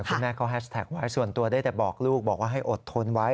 คุณแม่เขาแฮชแท็กไว้ส่วนตัวได้แต่บอกลูกบอกว่าให้อดทนไว้